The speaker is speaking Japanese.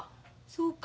そうか。